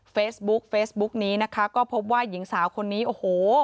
เฟสบุ๊คนี้นะคะก็พบว่าหญิงสาวคนนี้โอ้โห